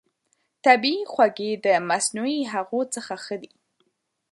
طبیعي خوږې د مصنوعي هغو څخه ښه دي.